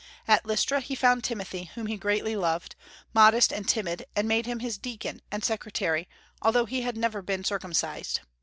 At Lystra he found Timothy, whom he greatly loved, modest and timid, and made him his deacon and secretary, although he had never been circumcised.